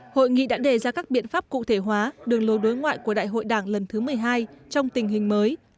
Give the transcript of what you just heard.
hội nghị đã đề ra các biện pháp cụ thể hóa đường lối đối ngoại của đại hội đảng lần thứ một mươi hai trong tình hình mới